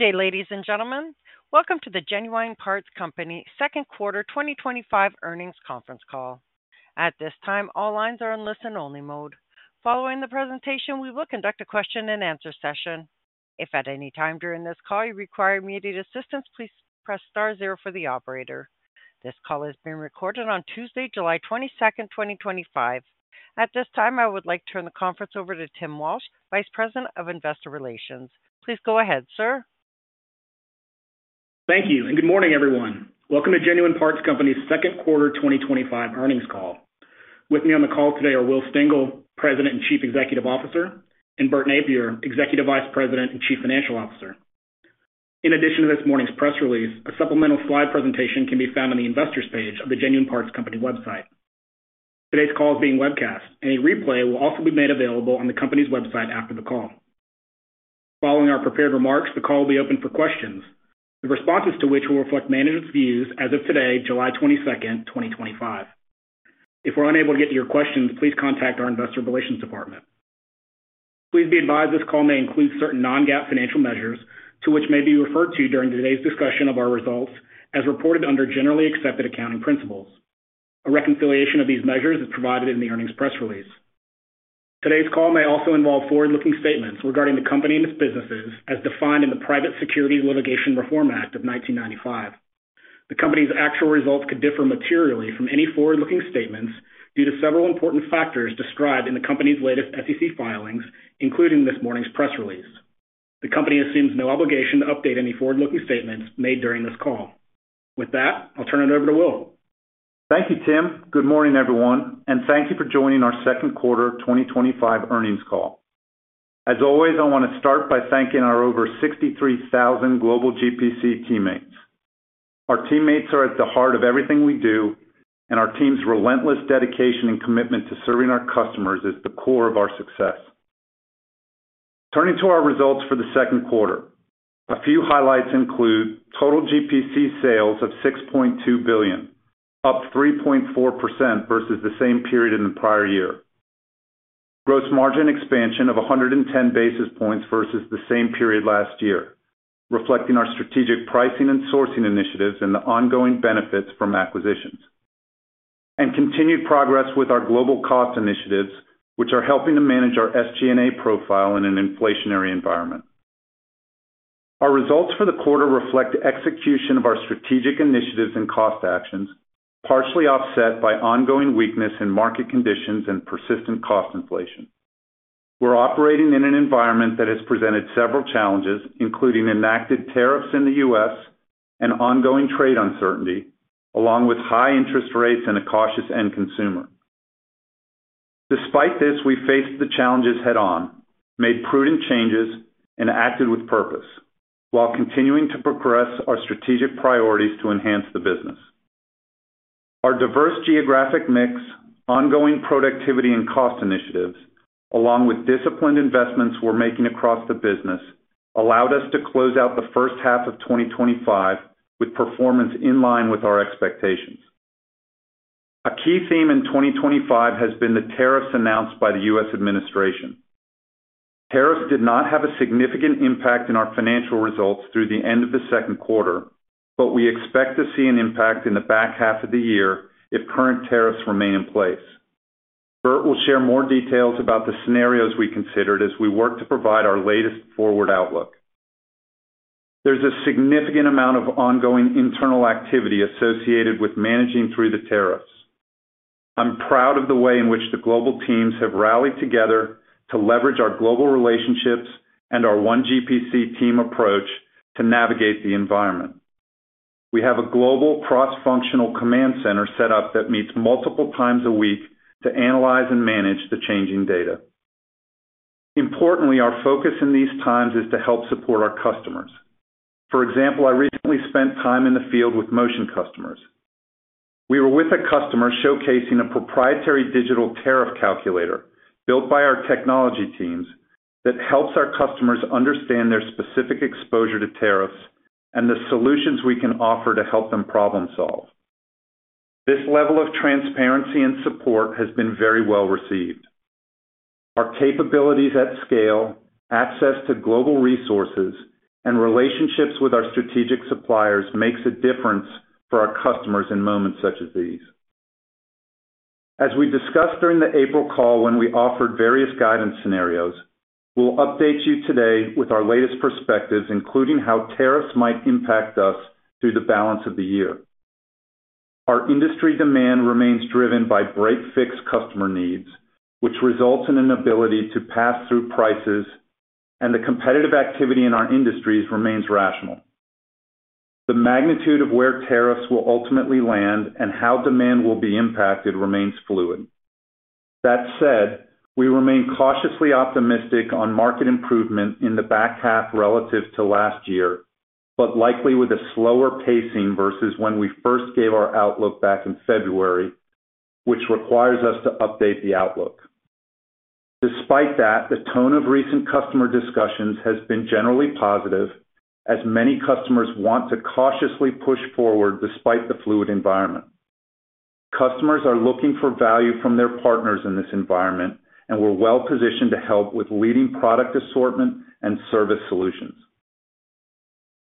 Good day, ladies and gentlemen. Welcome to the Genuine Parts Company Second Quarter 2025 Earnings Conference Call. At this time, all lines are in listen-only mode. Following the presentation, we will conduct a question-and-answer session. If at any time during this call you require immediate assistance, please press star zero for the operator. This call is being recorded on Tuesday, July 22nd, 2025. At this time, I would like to turn the conference over to Tim Walsh, Vice President of Investor Relations. Please go ahead, sir. Thank you, and good morning, everyone. Welcome to Genuine Parts Company's Second Quarter 2025 Earnings Call. With me on the call today are Will Stengel, President and Chief Executive Officer, and Bert Nappier, Executive Vice President and Chief Financial Officer. In addition to this morning's press release, a supplemental slide presentation can be found on the investors' page of the Genuine Parts Company website. Today's call is being webcast, and a replay will also be made available on the company's website after the call. Following our prepared remarks, the call will be open for questions, the responses to which will reflect management's views as of today, July 22nd, 2025. If we're unable to get to your questions, please contact our investor relations department. Please be advised this call may include certain non-GAAP financial measures to which may be referred to during today's discussion of our results as reported under generally accepted accounting principles. A reconciliation of these measures is provided in the earnings press release. Today's call may also involve forward-looking statements regarding the company and its businesses as defined in the Private Securities Litigation Reform Act of 1995. The company's actual results could differ materially from any forward-looking statements due to several important factors described in the company's latest SEC filings, including this morning's press release. The company assumes no obligation to update any forward-looking statements made during this call. With that, I'll turn it over to Will. Thank you, Tim. Good morning, everyone, and thank you for joining our second quarter 2025 earnings call. As always, I want to start by thanking our over 63,000 global GPC teammates. Our teammates are at the heart of everything we do, and our team's relentless dedication and commitment to serving our customers is the core of our success. Turning to our results for the second quarter, a few highlights include total GPC sales of $6.2 billion, up 3.4% versus the same period in the prior year. Gross margin expansion of 110 basis points versus the same period last year, reflecting our strategic pricing and sourcing initiatives and the ongoing benefits from acquisitions. Continued progress with our global cost initiatives, which are helping to manage our SG&A profile in an inflationary environment. Our results for the quarter reflect execution of our strategic initiatives and cost actions, partially offset by ongoing weakness in market conditions and persistent cost inflation. We are operating in an environment that has presented several challenges, including enacted tariffs in the U.S. and ongoing trade uncertainty, along with high interest rates and a cautious end consumer. Despite this, we faced the challenges head-on, made prudent changes, and acted with purpose while continuing to progress our strategic priorities to enhance the business. Our diverse geographic mix, ongoing productivity, and cost initiatives, along with disciplined investments we are making across the business, allowed us to close out the first half of 2025 with performance in line with our expectations. A key theme in 2025 has been the tariffs announced by the U.S. administration. Tariffs did not have a significant impact in our financial results through the end of the second quarter, but we expect to see an impact in the back half of the year if current tariffs remain in place. Bert will share more details about the scenarios we considered as we work to provide our latest forward outlook. There is a significant amount of ongoing internal activity associated with managing through the tariffs. I am proud of the way in which the global teams have rallied together to leverage our global relationships and our one GPC team approach to navigate the environment. We have a global cross-functional command center set up that meets multiple times a week to analyze and manage the changing data. Importantly, our focus in these times is to help support our customers. For example, I recently spent time in the field with Motion customers. We were with a customer showcasing a proprietary digital tariff calculator built by our technology teams that helps our customers understand their specific exposure to tariffs and the solutions we can offer to help them problem-solve. This level of transparency and support has been very well received. Our capabilities at scale, access to global resources, and relationships with our strategic suppliers make a difference for our customers in moments such as these. As we discussed during the April call when we offered various guidance scenarios, we'll update you today with our latest perspectives, including how tariffs might impact us through the balance of the year. Our industry demand remains driven by break-fix customer needs, which results in an ability to pass through prices, and the competitive activity in our industries remains rational. The magnitude of where tariffs will ultimately land and how demand will be impacted remains fluid. That said, we remain cautiously optimistic on market improvement in the back half relative to last year, but likely with a slower pacing versus when we first gave our outlook back in February, which requires us to update the outlook. Despite that, the tone of recent customer discussions has been generally positive, as many customers want to cautiously push forward despite the fluid environment. Customers are looking for value from their partners in this environment, and we're well-positioned to help with leading product assortment and service solutions.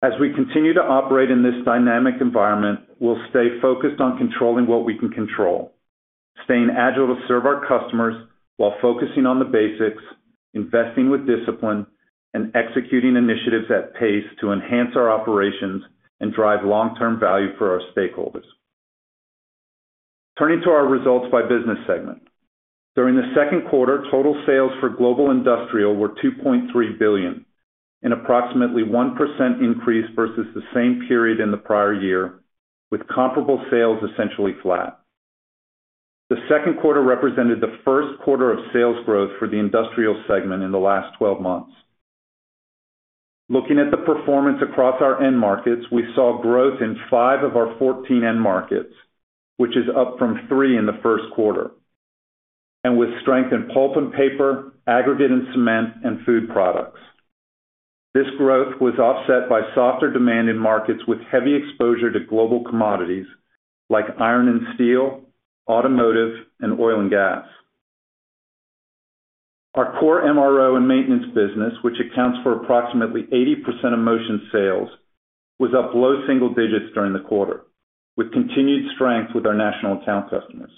As we continue to operate in this dynamic environment, we'll stay focused on controlling what we can control, staying agile to serve our customers while focusing on the basics, investing with discipline, and executing initiatives at pace to enhance our operations and drive long-term value for our stakeholders. Turning to our results by business segment, during the second quarter, total sales for global industrial were $2.3 billion, an approximately 1% increase versus the same period in the prior year, with comparable sales essentially flat. The second quarter represented the first quarter of sales growth for the industrial segment in the last 12 months. Looking at the performance across our end markets, we saw growth in five of our 14 end markets, which is up from three in the first quarter, and with strength in pulp and paper, aggregate and cement, and food products. This growth was offset by softer demand in markets with heavy exposure to global commodities like iron and steel, automotive, and oil and gas. Our core MRO and maintenance business, which accounts for approximately 80% of Motion's sales, was up low single digits during the quarter, with continued strength with our national account customers.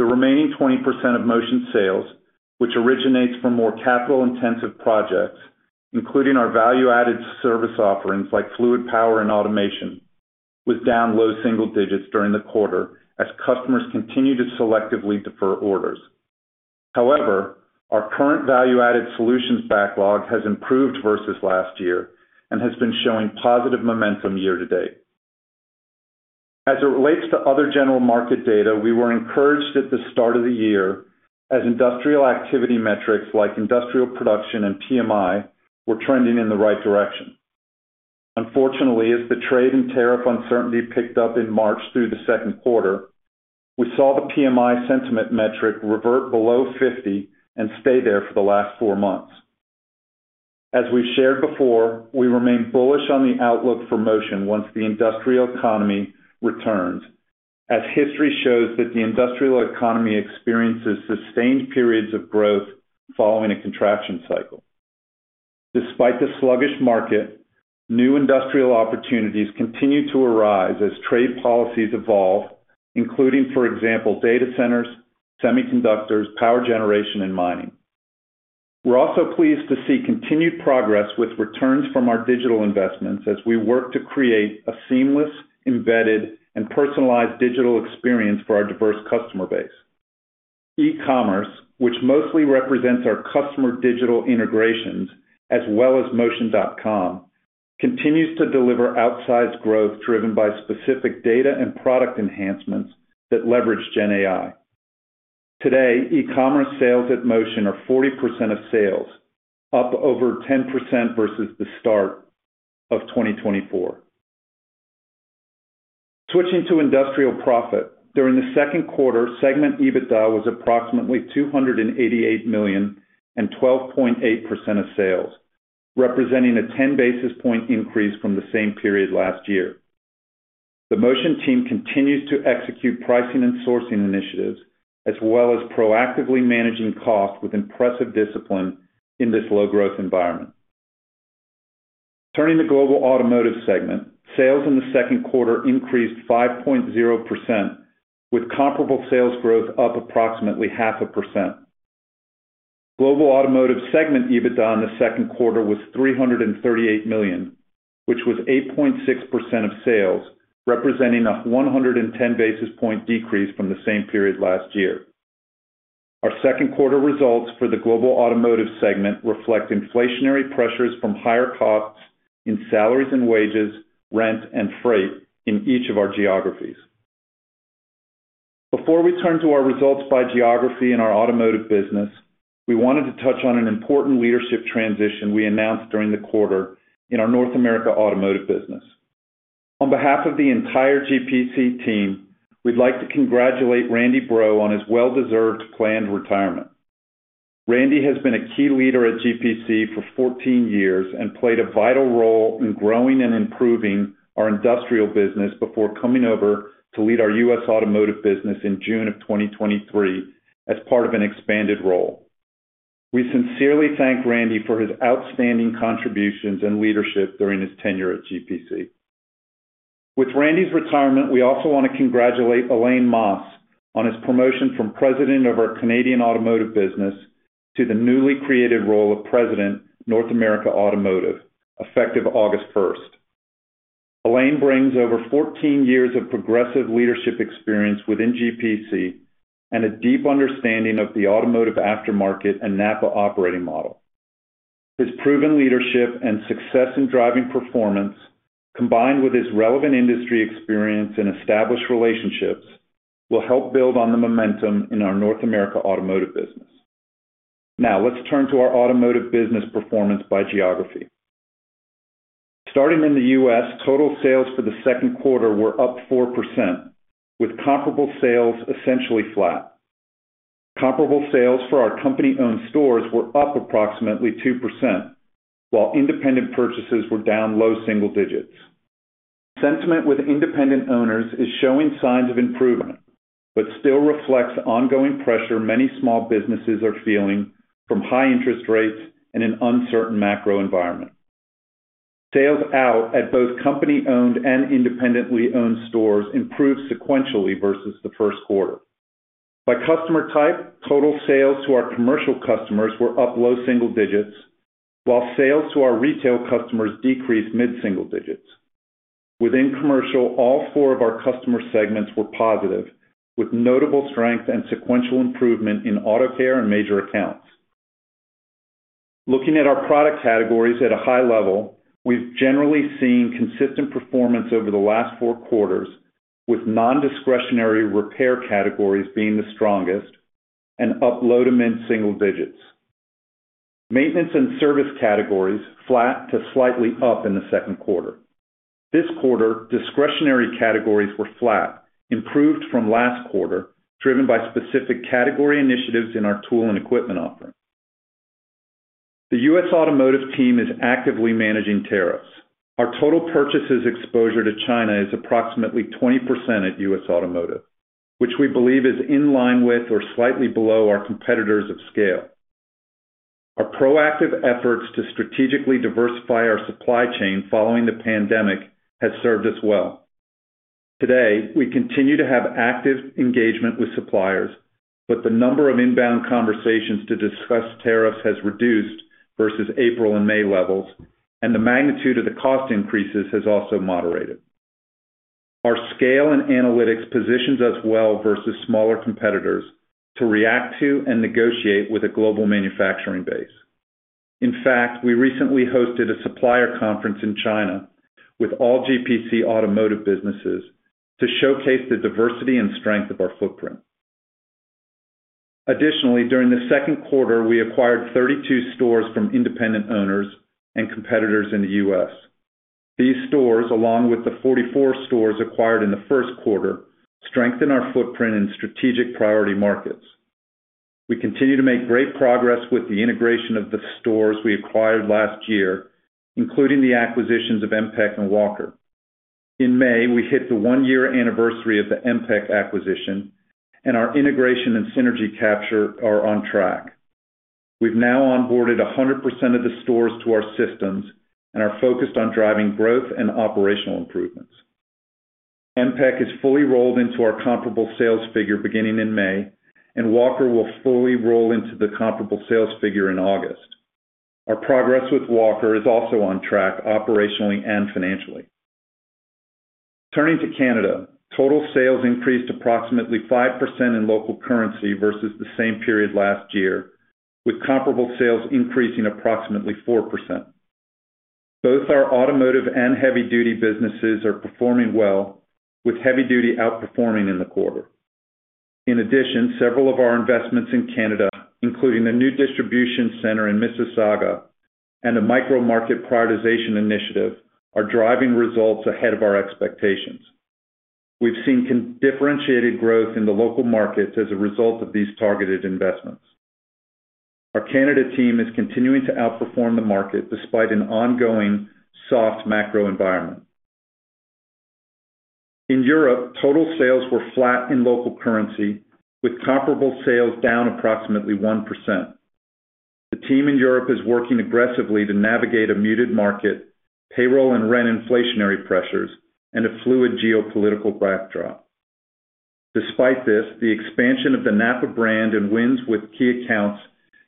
The remaining 20% of Motion's sales, which originates from more capital-intensive projects, including our value-added service offerings like fluid power and automation, was down low single digits during the quarter as customers continue to selectively defer orders. However, our current value-added solutions backlog has improved versus last year and has been showing positive momentum year-to- date. As it relates to other general market data, we were encouraged at the start of the year as industrial activity metrics like industrial production and PMI were trending in the right direction. Unfortunately, as the trade and tariff uncertainty picked up in March through the second quarter, we saw the PMI sentiment metric revert below 50 and stay there for the last four months. As we've shared before, we remain bullish on the outlook for Motion once the industrial economy returns, as history shows that the industrial economy experiences sustained periods of growth following a contraction cycle. Despite the sluggish market, new industrial opportunities continue to arise as trade policies evolve, including, for example, data centers, semiconductors, power generation, and mining. We're also pleased to see continued progress with returns from our digital investments as we work to create a seamless, embedded, and personalized digital experience for our diverse customer base. E-commerce, which mostly represents our customer digital integrations as well as Motion.com, continues to deliver outsized growth driven by specific data and product enhancements that leverage GenAI. Today, e-commerce sales at Motion are 40% of sales, up over 10% versus the start of 2024. Switching to industrial profit, during the second quarter, segment EBITDA was approximately $288 million and 12.8% of sales, representing a 10 basis point increase from the same period last year. The Motion team continues to execute pricing and sourcing initiatives as well as proactively managing costs with impressive discipline in this low-growth environment. Turning to global automotive segment, sales in the second quarter increased 5.0%, with comparable sales growth up approximately .5%. Global automotive segment EBITDA in the second quarter was $338 million, which was 8.6% of sales, representing a 110 basis point decrease from the same period last year. Our second quarter results for the global automotive segment reflect inflationary pressures from higher costs in salaries and wages, rent, and freight in each of our geographies. Before we turn to our results by geography in our automotive business, we wanted to touch on an important leadership transition we announced during the quarter in our North America automotive business. On behalf of the entire GPC team, we'd like to congratulate Randy Breaux on his well-deserved planned retirement. Randy has been a key leader at GPC for 14 years and played a vital role in growing and improving our industrial business before coming over to lead our U.S. automotive business in June of 2023 as part of an expanded role. We sincerely thank Randy for his outstanding contributions and leadership during his tenure at GPC. With Randy's retirement, we also want to congratulate Alain Masse on his promotion from President of our Canadian automotive business to the newly created role of President North America Automotive, effective August 1st. Alain brings over 14 years of progressive leadership experience within GPC and a deep understanding of the automotive aftermarket and NAPA operating model. His proven leadership and success in driving performance, combined with his relevant industry experience and established relationships, will help build on the momentum in our North America automotive business. Now, let's turn to our automotive business performance by geography. Starting in the U.S., total sales for the second quarter were up 4%, with comparable sales essentially flat. Comparable sales for our company-owned stores were up approximately 2%, while independent purchases were down low single digits. Sentiment with independent owners is showing signs of improvement but still reflects ongoing pressure many small businesses are feeling from high interest rates and an uncertain macro environment. Sales out at both company-owned and independently owned stores improved sequentially versus the first quarter. By customer type, total sales to our commercial customers were up low single digits, while sales to our retail customers decreased mid-single digits. Within commercial, all four of our customer segments were positive, with notable strength and sequential improvement in auto care and major accounts. Looking at our product categories at a high level, we've generally seen consistent performance over the last four quarters, with non-discretionary repair categories being the strongest and up low to mid-single digits. Maintenance and service categories flat to slightly up in the second quarter. This quarter, discretionary categories were flat, improved from last quarter, driven by specific category initiatives in our tool and equipment offering. The U.S. automotive team is actively managing tariffs. Our total purchases exposure to China is approximately 20% at U.S. automotive, which we believe is in line with or slightly below our competitors of scale. Our proactive efforts to strategically diversify our supply chain following the pandemic have served us well. Today, we continue to have active engagement with suppliers, but the number of inbound conversations to discuss tariffs has reduced versus April and May levels, and the magnitude of the cost increases has also moderated. Our scale and analytics positions us well versus smaller competitors to react to and negotiate with a global manufacturing base. In fact, we recently hosted a supplier conference in China with all GPC automotive businesses to showcase the diversity and strength of our footprint. Additionally, during the second quarter, we acquired 32 stores from independent owners and competitors in the U.S. These stores, along with the 44 stores acquired in the first quarter, strengthen our footprint in strategic priority markets. We continue to make great progress with the integration of the stores we acquired last year, including the acquisitions of MPEC and Walker. In May, we hit the one-year anniversary of the MPEC acquisition, and our integration and synergy capture are on track. We've now onboarded 100% of the stores to our systems and are focused on driving growth and operational improvements. MPEC is fully rolled into our comparable sales figure beginning in May, and Walker will fully roll into the comparable sales figure in August. Our progress with Walker is also on track operationally and financially. Turning to Canada, total sales increased approximately 5% in local currency versus the same period last year, with comparable sales increasing approximately 4%. Both our automotive and heavy-duty businesses are performing well, with heavy-duty outperforming in the quarter. In addition, several of our investments in Canada, including a new distribution center in Mississauga and a micro-market prioritization initiative, are driving results ahead of our expectations. We've seen differentiated growth in the local markets as a result of these targeted investments. Our Canada team is continuing to outperform the market despite an ongoing soft macro environment. In Europe, total sales were flat in local currency, with comparable sales down approximately 1%. The team in Europe is working aggressively to navigate a muted market, payroll and rent inflationary pressures, and a fluid geopolitical backdrop. Despite this, the expansion of the NAPA brand and wins with key accounts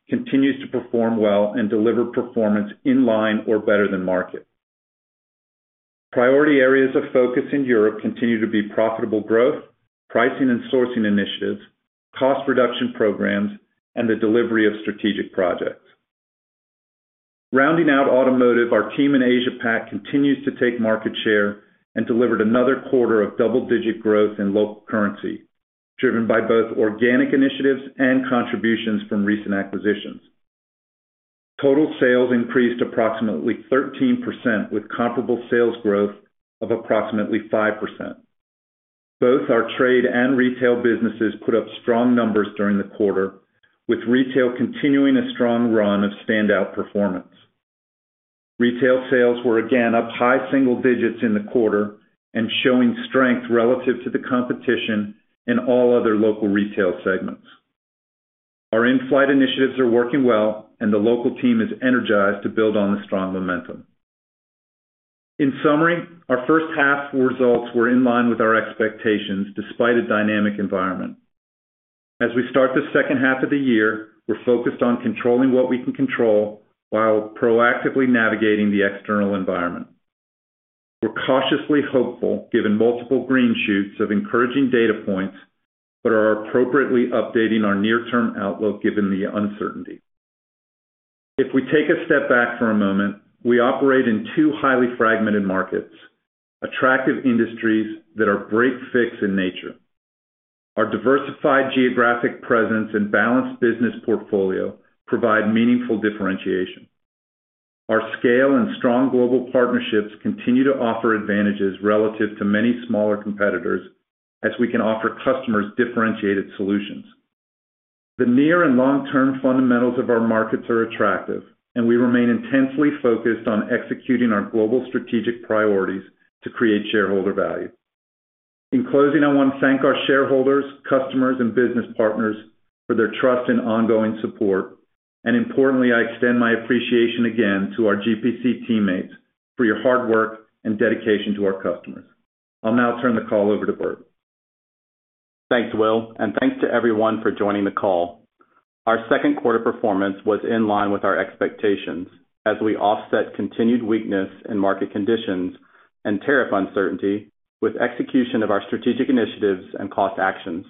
continues to perform well and deliver performance in line or better than market. Priority areas of focus in Europe continue to be profitable growth, pricing and sourcing initiatives, cost reduction programs, and the delivery of strategic projects. Rounding out automotive, our team in Asia-Pac continues to take market share and delivered another quarter of double-digit growth in local currency, driven by both organic initiatives and contributions from recent acquisitions. Total sales increased approximately 13%, with comparable sales growth of approximately 5%. Both our trade and retail businesses put up strong numbers during the quarter, with retail continuing a strong run of standout performance. Retail sales were again up high single digits in the quarter and showing strength relative to the competition in all other local retail segments. Our in-flight initiatives are working well, and the local team is energized to build on the strong momentum. In summary, our first half results were in line with our expectations despite a dynamic environment. As we start the second half of the year, we're focused on controlling what we can control while proactively navigating the external environment. We're cautiously hopeful, given multiple green shoots, of encouraging data points, but are appropriately updating our near-term outlook given the uncertainty. If we take a step back for a moment, we operate in two highly fragmented markets, attractive industries that are break/fix in nature. Our diversified geographic presence and balanced business portfolio provide meaningful differentiation. Our scale and strong global partnerships continue to offer advantages relative to many smaller competitors as we can offer customers differentiated solutions. The near and long-term fundamentals of our markets are attractive, and we remain intensely focused on executing our global strategic priorities to create shareholder value. In closing, I want to thank our shareholders, customers, and business partners for their trust and ongoing support. Importantly, I extend my appreciation again to our GPC teammates for your hard work and dedication to our customers. I'll now turn the call over to Bert. Thanks, Will, and thanks to everyone for joining the call. Our second quarter performance was in line with our expectations as we offset continued weakness in market conditions and tariff uncertainty with execution of our strategic initiatives and cost actions.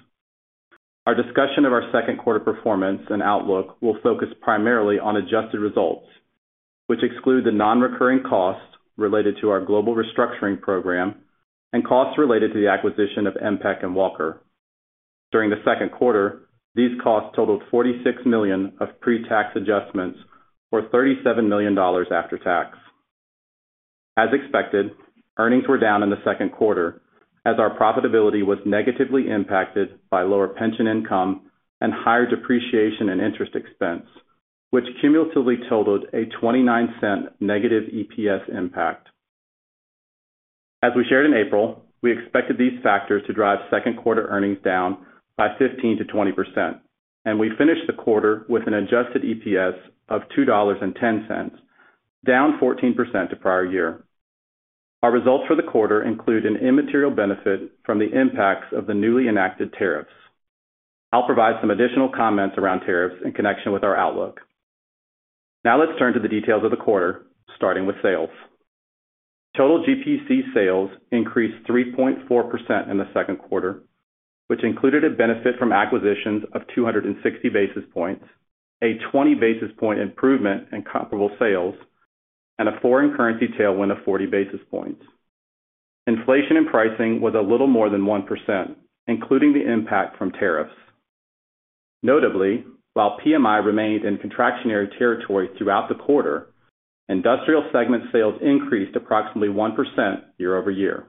Our discussion of our second quarter performance and outlook will focus primarily on adjusted results, which exclude the non-recurring costs related to our global restructuring program and costs related to the acquisition of MPEC and Walker. During the second quarter, these costs totaled $46 million of pre-tax adjustments or $37 million after tax. As expected, earnings were down in the second quarter as our profitability was negatively impacted by lower pension income and higher depreciation and interest expense, which cumulatively totaled a $0.29 negative EPS impact. As we shared in April, we expected these factors to drive second quarter earnings down by 15%-20%, and we finished the quarter with an adjusted EPS of $2.10, down 14% to prior year. Our results for the quarter include an immaterial benefit from the impacts of the newly enacted tariffs. I'll provide some additional comments around tariffs in connection with our outlook. Now, let's turn to the details of the quarter, starting with sales. Total GPC sales increased 3.4% in the second quarter, which included a benefit from acquisitions of 260 basis points, a 20 basis point improvement in comparable sales, and a foreign currency tailwind of 40 basis points. Inflation and pricing was a little more than 1%, including the impact from tariffs. Notably, while PMI remained in contractionary territory throughout the quarter, industrial segment sales increased approximately 1% year over year.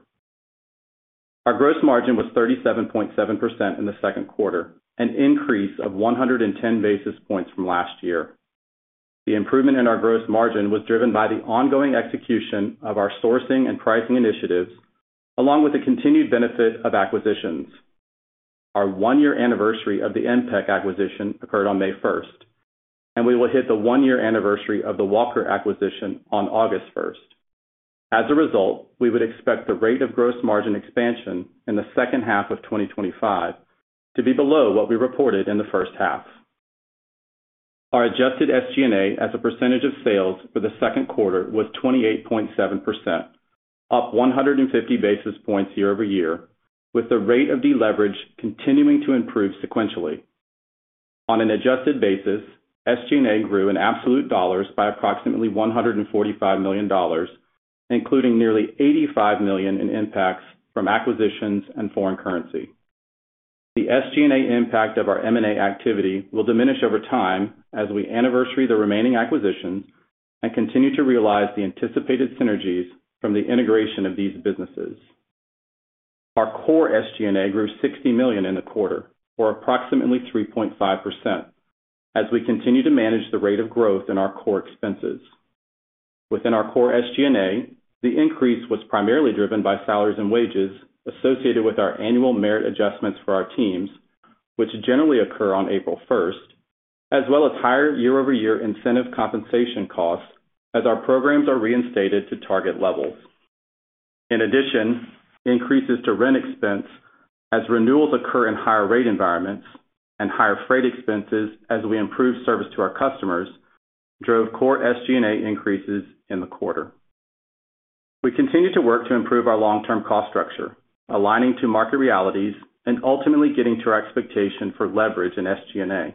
Our gross margin was 37.7% in the second quarter, an increase of 110 basis points from last year. The improvement in our gross margin was driven by the ongoing execution of our sourcing and pricing initiatives, along with the continued benefit of acquisitions. Our one-year anniversary of the MPEC acquisition occurred on May 1st, and we will hit the one-year anniversary of the Walker acquisition on August 1st. As a result, we would expect the rate of gross margin expansion in the second half of 2025 to be below what we reported in the first half. Our adjusted SG&A as a percentage of sales for the second quarter was 28.7%, up 150 basis points year over year, with the rate of deleverage continuing to improve sequentially. On an adjusted basis, SG&A grew in absolute dollars by approximately $145 million, including nearly $85 million in impacts from acquisitions and foreign currency. The SG&A impact of our M&A activity will diminish over time as we anniversary the remaining acquisitions and continue to realize the anticipated synergies from the integration of these businesses. Our core SG&A grew $60 million in the quarter or approximately 3.5% as we continue to manage the rate of growth in our core expenses. Within our core SG&A, the increase was primarily driven by salaries and wages associated with our annual merit adjustments for our teams, which generally occur on April 1st, as well as higher year-over-year incentive compensation costs as our programs are reinstated to target levels. In addition, increases to rent expense as renewals occur in higher rate environments and higher freight expenses as we improve service to our customers drove core SG&A increases in the quarter. We continue to work to improve our long-term cost structure, aligning to market realities and ultimately getting to our expectation for leverage in SG&A.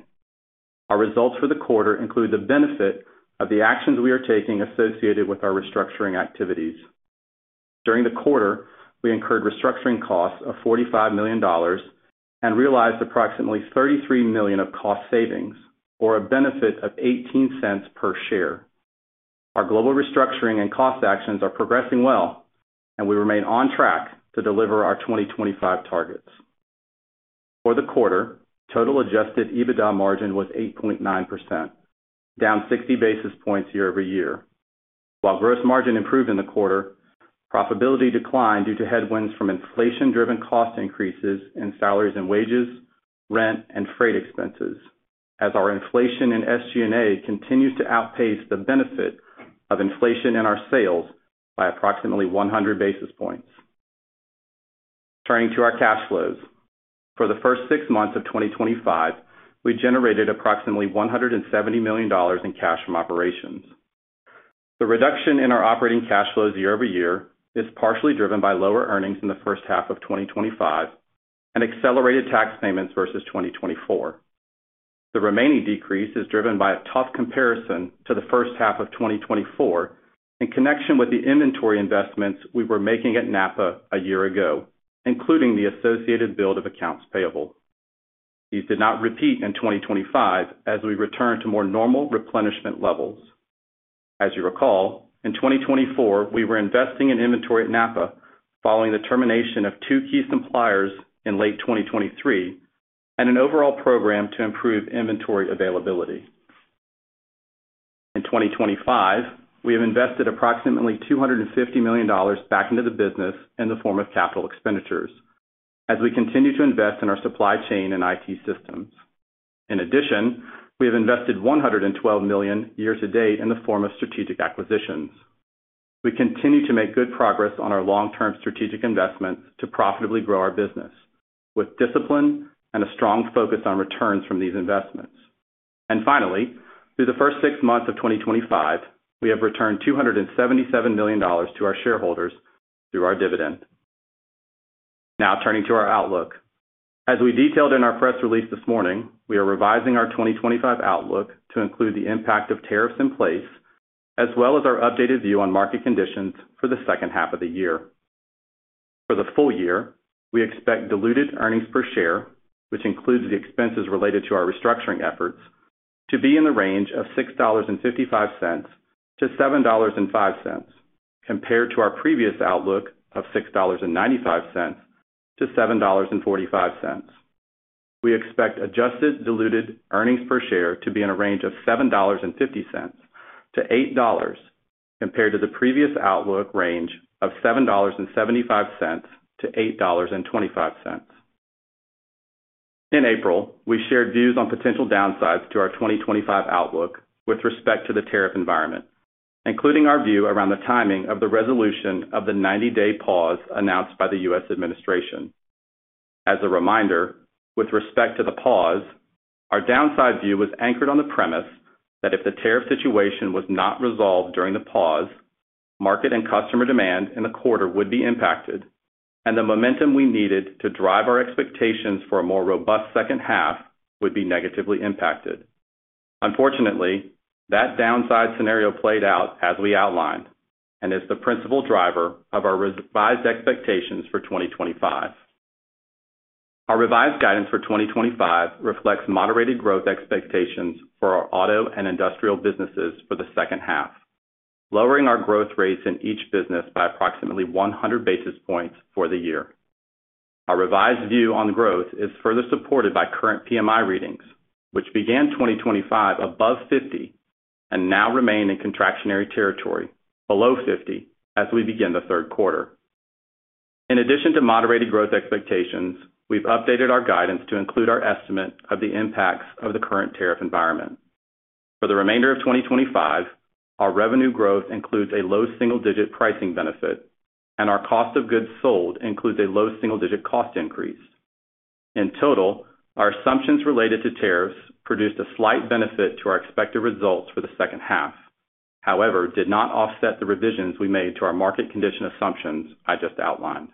Our results for the quarter include the benefit of the actions we are taking associated with our restructuring activities. During the quarter, we incurred restructuring costs of $45 million and realized approximately $33 million of cost savings or a benefit of $0.18 per share. Our global restructuring and cost actions are progressing well, and we remain on track to deliver our 2025 targets. For the quarter, total adjusted EBITDA margin was 8.9%, down 60 basis points year over year. While gross margin improved in the quarter, profitability declined due to headwinds from inflation-driven cost increases in salaries and wages, rent, and freight expenses, as our inflation and SG&A continues to outpace the benefit of inflation in our sales by approximately 100 basis points. Turning to our cash flows. For the first six months of 2025, we generated approximately $170 million in cash from operations. The reduction in our operating cash flows year-over- year is partially driven by lower earnings in the first half of 2025 and accelerated tax payments versus 2024. The remaining decrease is driven by a tough comparison to the first half of 2024 in connection with the inventory investments we were making at NAPA a year ago, including the associated bill of accounts payable. These did not repeat in 2025 as we returned to more normal replenishment levels. As you recall, in 2024, we were investing in inventory at NAPA following the termination of two key suppliers in late 2023 and an overall program to improve inventory availability. In 2025, we have invested approximately $250 million back into the business in the form of capital expenditures as we continue to invest in our supply chain and IT systems. In addition, we have invested $112 million year-to-date in the form of strategic acquisitions. We continue to make good progress on our long-term strategic investments to profitably grow our business with discipline and a strong focus on returns from these investments. Finally, through the first six months of 2025, we have returned $277 million to our shareholders through our dividend. Now, turning to our outlook. As we detailed in our press release this morning, we are revising our 2025 outlook to include the impact of tariffs in place as well as our updated view on market conditions for the second half of the year. For the full year, we expect diluted earnings per share, which includes the expenses related to our restructuring efforts, to be in the range of $6.55-$7.05 compared to our previous outlook of $6.95-$7.45. We expect adjusted diluted earnings per share to be in a range of $7.50-$8.00 compared to the previous outlook range of $7.75-$8.25. In April, we shared views on potential downsides to our 2025 outlook with respect to the tariff environment, including our view around the timing of the resolution of the 90-day pause announced by the U.S. administration. As a reminder, with respect to the pause, our downside view was anchored on the premise that if the tariff situation was not resolved during the pause, market and customer demand in the quarter would be impacted, and the momentum we needed to drive our expectations for a more robust second half would be negatively impacted. Unfortunately, that downside scenario played out as we outlined and is the principal driver of our revised expectations for 2025. Our revised guidance for 2025 reflects moderated growth expectations for our auto and industrial businesses for the second half, lowering our growth rates in each business by approximately 100 basis points for the year. Our revised view on growth is further supported by current PMI readings, which began 2025 above 50 and now remain in contractionary territory, below 50 as we begin the third quarter. In addition to moderated growth expectations, we've updated our guidance to include our estimate of the impacts of the current tariff environment. For the remainder of 2025, our revenue growth includes a low single-digit pricing benefit, and our cost of goods sold includes a low single-digit cost increase. In total, our assumptions related to tariffs produced a slight benefit to our expected results for the second half, however, did not offset the revisions we made to our market condition assumptions I just outlined.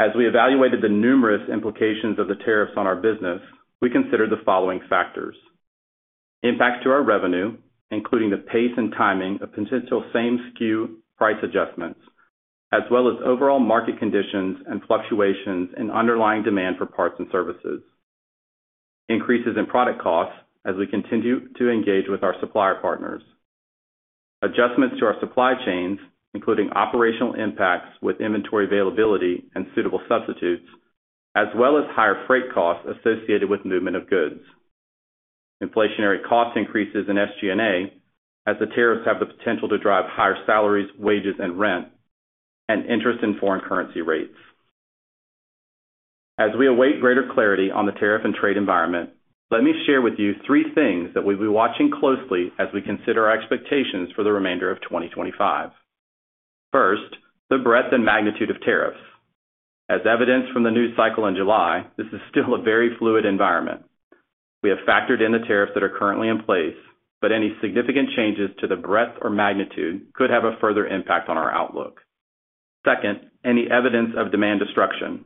As we evaluated the numerous implications of the tariffs on our business, we considered the following factors. Impacts to our revenue, including the pace and timing of potential same SKU price adjustments, as well as overall market conditions and fluctuations in underlying demand for parts and services. Increases in product costs as we continue to engage with our supplier partners. Adjustments to our supply chains, including operational impacts with inventory availability and suitable substitutes, as well as higher freight costs associated with movement of goods. Inflationary cost increases in SG&A as the tariffs have the potential to drive higher salaries, wages, and rent, and interest in foreign currency rates. As we await greater clarity on the tariff and trade environment, let me share with you three things that we'll be watching closely as we consider our expectations for the remainder of 2025. First, the breadth and magnitude of tariffs. As evidenced from the news cycle in July, this is still a very fluid environment. We have factored in the tariffs that are currently in place, but any significant changes to the breadth or magnitude could have a further impact on our outlook. Second, any evidence of demand destruction.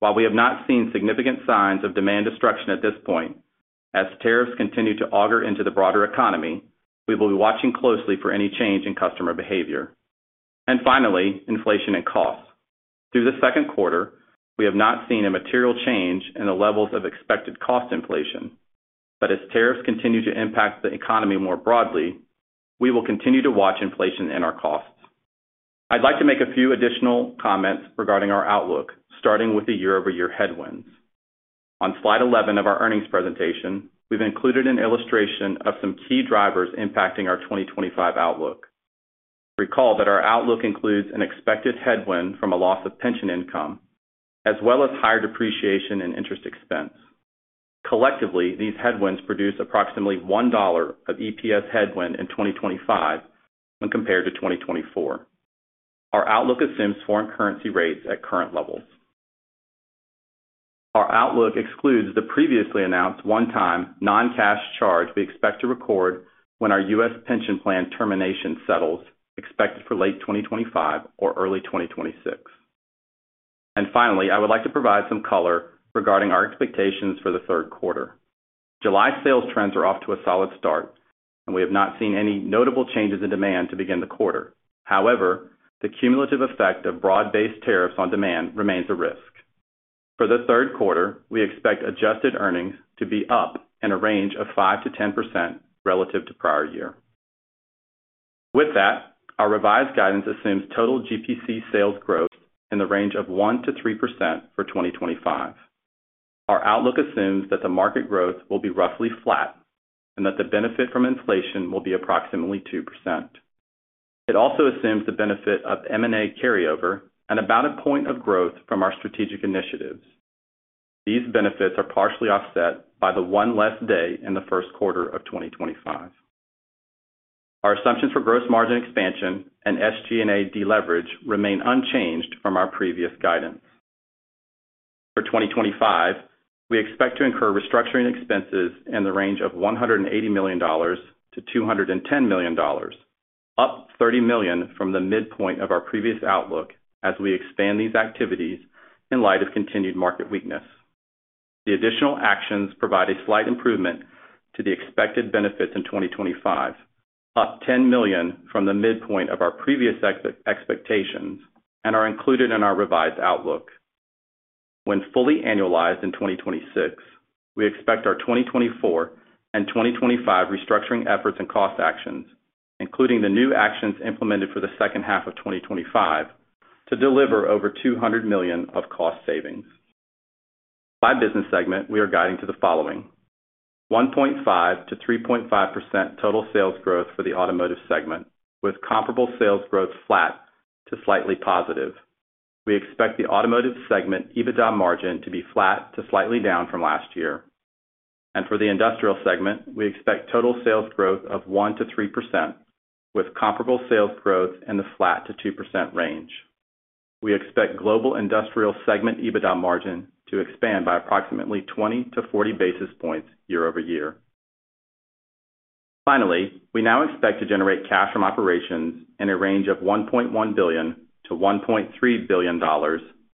While we have not seen significant signs of demand destruction at this point. As tariffs continue to auger into the broader economy, we will be watching closely for any change in customer behavior. Finally, inflation and costs. Through the second quarter, we have not seen a material change in the levels of expected cost inflation, but as tariffs continue to impact the economy more broadly, we will continue to watch inflation in our costs. I'd like to make a few additional comments regarding our outlook, starting with the year-over-year headwinds. On slide 11 of our earnings presentation, we've included an illustration of some key drivers impacting our 2025 outlook. Recall that our outlook includes an expected headwind from a loss of pension income as well as higher depreciation and interest expense. Collectively, these headwinds produce approximately $1 of EPS headwind in 2025 when compared to 2024. Our outlook assumes foreign currency rates at current levels. Our outlook excludes the previously announced one-time non-cash charge we expect to record when our U.S. pension plan termination settles, expected for late 2025 or early 2026. Finally, I would like to provide some color regarding our expectations for the third quarter. July sales trends are off to a solid start, and we have not seen any notable changes in demand to begin the quarter. However, the cumulative effect of broad-based tariffs on demand remains a risk. For the third quarter, we expect adjusted earnings to be up in a range of 5%-10% relative to prior year. With that, our revised guidance assumes total GPC sales growth in the range of 1%-3% for 2025. Our outlook assumes that the market growth will be roughly flat and that the benefit from inflation will be approximately 2%. It also assumes the benefit of M&A carryover and about a point of growth from our strategic initiatives. These benefits are partially offset by the one less day in the first quarter of 2025. Our assumptions for gross margin expansion and SG&A deleverage remain unchanged from our previous guidance. For 2025, we expect to incur restructuring expenses in the range of $180 million-$210 million, up $30 million from the midpoint of our previous outlook as we expand these activities in light of continued market weakness. The additional actions provide a slight improvement to the expected benefits in 2025, up $10 million from the midpoint of our previous expectations and are included in our revised outlook. When fully annualized in 2026, we expect our 2024 and 2025 restructuring efforts and cost actions, including the new actions implemented for the second half of 2025, to deliver over $200 million of cost savings. By business segment, we are guiding to the following. 1.5%-3.5% total sales growth for the automotive segment, with comparable sales growth flat to slightly positive. We expect the automotive segment EBITDA margin to be flat to slightly down from last year. For the industrial segment, we expect total sales growth of 1%-3%, with comparable sales growth in the flat to 2% range. We expect global industrial segment EBITDA margin to expand by approximately 20-40 basis points year over year. Finally, we now expect to generate cash from operations in a range of $1.1 billion-$1.3 billion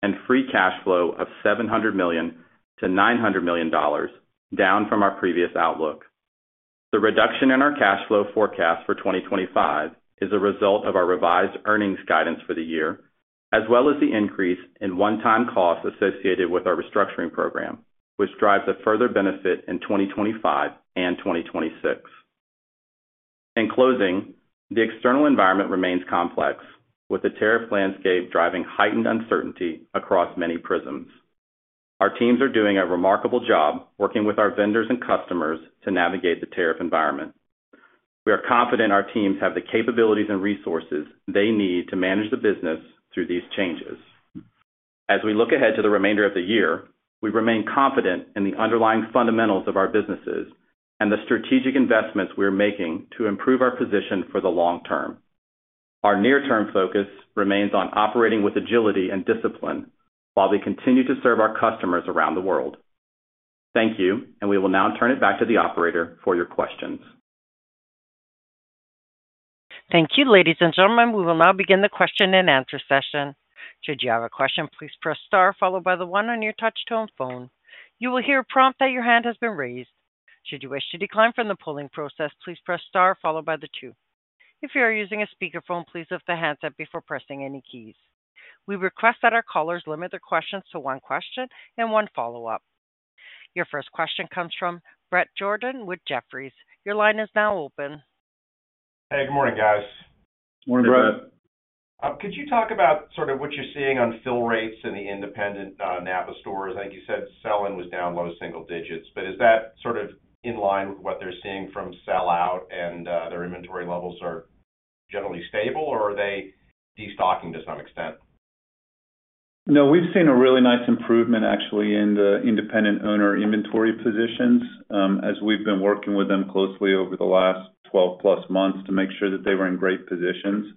and free cash flow of $700 million-$900 million, down from our previous outlook. The reduction in our cash flow forecast for 2025 is a result of our revised earnings guidance for the year, as well as the increase in one-time costs associated with our restructuring program, which drives a further benefit in 2025 and 2026. In closing, the external environment remains complex, with the tariff landscape driving heightened uncertainty across many prisms. Our teams are doing a remarkable job working with our vendors and customers to navigate the tariff environment. We are confident our teams have the capabilities and resources they need to manage the business through these changes. As we look ahead to the remainder of the year, we remain confident in the underlying fundamentals of our businesses and the strategic investments we are making to improve our position for the long term. Our near-term focus remains on operating with agility and discipline while we continue to serve our customers around the world. Thank you, and we will now turn it back to the operator for your questions. Thank you, ladies and gentlemen. We will now begin the question-and-answer session. Should you have a question, please press star followed by the one on your touch-tone phone. You will hear a prompt that your hand has been raised. Should you wish to decline from the polling process, please press star followed by the two. If you are using a speakerphone, please lift the handset up before pressing any keys. We request that our callers limit their questions to one question and one follow-up. Your first question comes from Bret Jordan with Jefferies. Your line is now open. Hey, good morning, guys. Morning, Brett. Could you talk about sort of what you're seeing on fill rates in the independent NAPA stores? I think you said sell-in was down low single digits, but is that sort of in line with what they're seeing from sell-out and their inventory levels are generally stable, or are they destocking to some extent? No, we've seen a really nice improvement, actually, in the independent owner inventory positions as we've been working with them closely over the last 12+ months to make sure that they were in great positions.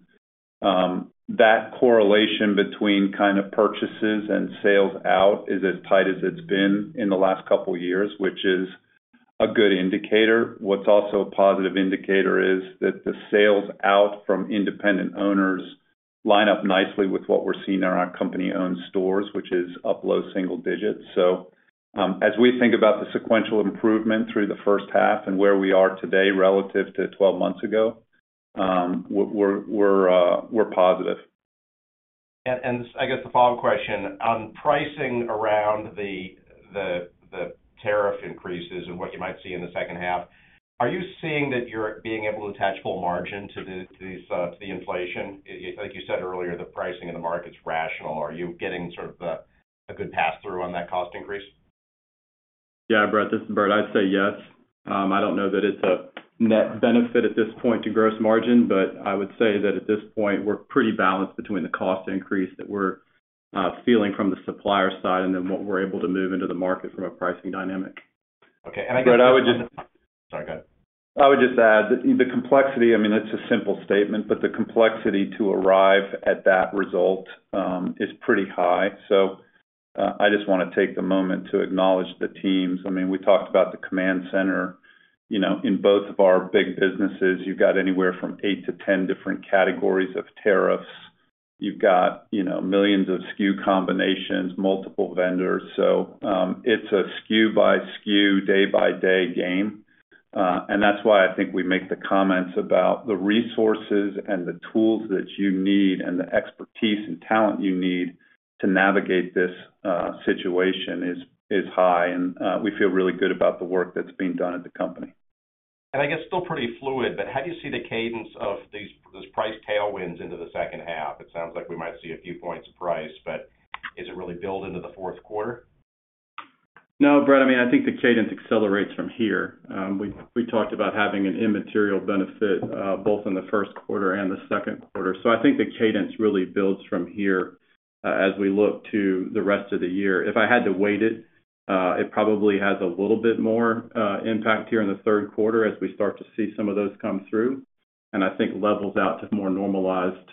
That correlation between kind of purchases and sales out is as tight as it's been in the last couple of years, which is a good indicator. What's also a positive indicator is that the sales out from independent owners line up nicely with what we're seeing in our company-owned stores, which is up low single digits. As we think about the sequential improvement through the first half and where we are today relative to 12 months ago, we're positive. I guess the follow-up question on pricing around the tariff increases and what you might see in the second half, are you seeing that you're being able to attach full margin to the inflation? Like you said earlier, the pricing and the market's rational. Are you getting sort of a good pass-through on that cost increase? Yeah, Brett, this is Bert. I'd say yes. I don't know that it's a net benefit at this point to gross margin, but I would say that at this point, we're pretty balanced between the cost increase that we're feeling from the supplier side and then what we're able to move into the market from a pricing dynamic. Okay. I guess. Brett, I would just. Sorry, go ahead. I would just add that the complexity, I mean, it's a simple statement, but the complexity to arrive at that result is pretty high. I just want to take the moment to acknowledge the teams. I mean, we talked about the command center. In both of our big businesses, you've got anywhere from 8-10 different categories of tariffs. You've got millions of SKU combinations, multiple vendors. It is a SKU by SKU, day by day game. That is why I think we make the comments about the resources and the tools that you need and the expertise and talent you need to navigate this situation is high. We feel really good about the work that's being done at the company. I guess still pretty fluid, but how do you see the cadence of these price tailwinds into the second half? It sounds like we might see a few points of price, but is it really built into the fourth quarter? No, Brett, I mean, I think the cadence accelerates from here. We talked about having an immaterial benefit both in the first quarter and the second quarter. I think the cadence really builds from here as we look to the rest of the year. If I had to weight it, it probably has a little bit more impact here in the third quarter as we start to see some of those come through. I think levels out to more normalized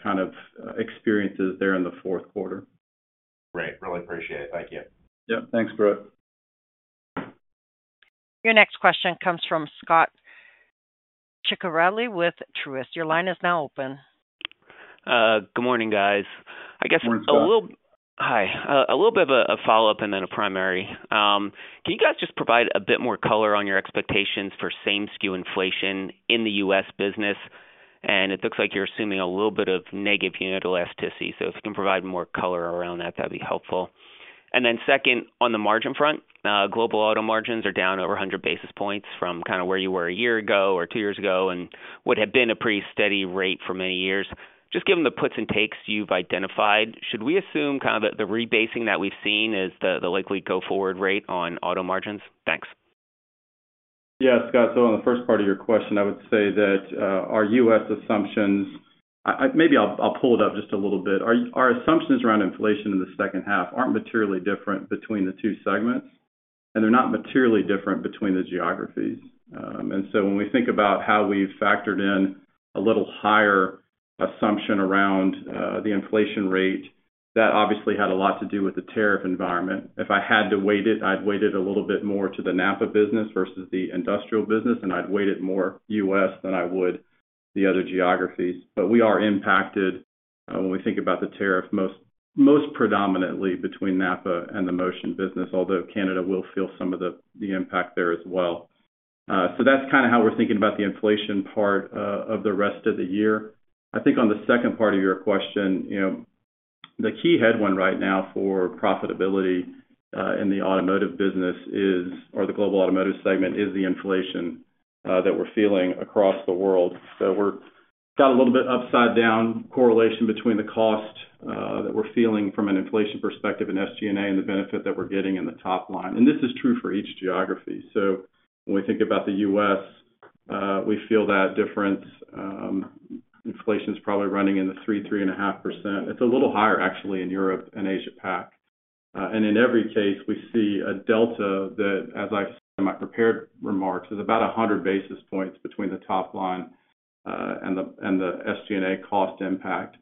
kind of experiences there in the fourth quarter. Great. Really appreciate it. Thank you. Yep. Thanks, Brett. Your next question comes from Scot Ciccarelli with Truist. Your line is now open. Good morning, guys. I guess a little. Morning, Scott. Hi. A little bit of a follow-up and then a primary. Can you guys just provide a bit more color on your expectations for same SKU inflation in the U.S. business? It looks like you're assuming a little bit of negative unit elasticity. If you can provide more color around that, that'd be helpful. Second, on the margin front, global auto margins are down over 100 basis points from kind of where you were a year ago or two years ago and what had been a pretty steady rate for many years. Just given the puts and takes you've identified, should we assume kind of that the rebasing that we've seen is the likely go-forward rate on auto margins? Thanks. Yeah, Scott. On the first part of your question, I would say that our U.S. assumptions—maybe I'll pull it up just a little bit—our assumptions around inflation in the second half aren't materially different between the two segments, and they're not materially different between the geographies. When we think about how we've factored in a little higher assumption around the inflation rate, that obviously had a lot to do with the tariff environment. If I had to weight it, I'd weight it a little bit more to the NAPA business versus the industrial business, and I'd weight it more U.S. than I would the other geographies. We are impacted when we think about the tariff most predominantly between NAPA and the Motion business, although Canada will feel some of the impact there as well. That's kind of how we're thinking about the inflation part of the rest of the year. I think on the second part of your question, the key headwind right now for profitability in the automotive business is, or the global automotive segment, is the inflation that we're feeling across the world. We've got a little bit upside-down correlation between the cost that we're feeling from an inflation perspective and SG&A and the benefit that we're getting in the top line. This is true for each geography. When we think about the U.S., we feel that difference. Inflation's probably running in the 3-3.5% range. It's a little higher, actually, in Europe and Asia-Pac. In every case, we see a delta that, as I said in my prepared remarks, is about 100 basis points between the top line and the SG&A cost impact.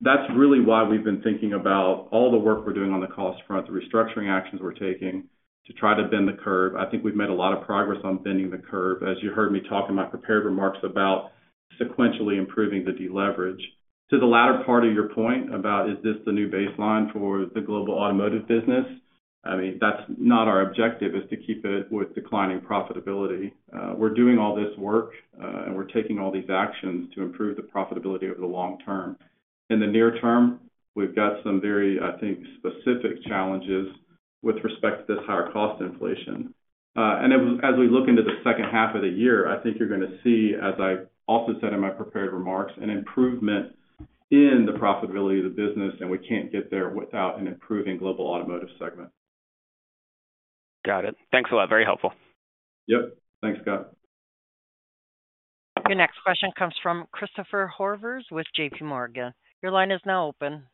That's really why we've been thinking about all the work we're doing on the cost front, the restructuring actions we're taking to try to bend the curve. I think we've made a lot of progress on bending the curve, as you heard me talk in my prepared remarks about sequentially improving the deleverage. To the latter part of your point about, is this the new baseline for the global automotive business? I mean, that's not our objective, to keep it with declining profitability. We're doing all this work, and we're taking all these actions to improve the profitability over the long term. In the near term, we've got some very, I think, specific challenges with respect to this higher cost inflation. As we look into the second half of the year, I think you're going to see, as I also said in my prepared remarks, an improvement in the profitability of the business, and we can't get there without an improving global automotive segment. Got it. Thanks a lot. Very helpful. Yep. Thanks, Scott. Your next question comes from Christopher Horvers with JPMorgan. Your line is now open.